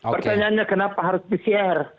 pertanyaannya kenapa harus pcr